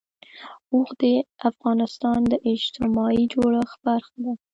اوښ د افغانستان د اجتماعي جوړښت برخه ده.